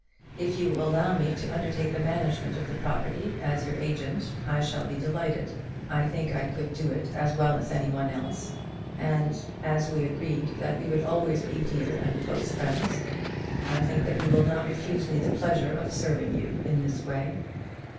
If you will allow me to undertake the management of the property as your agent, I shall be delighted. I think I could do it as well as any one else: and, as we agreed that we would always be dear and close friends, I think that you will not refuse me the pleasure of serving you in this way.